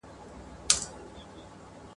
که منلې شل کلنه مي سزا وای !.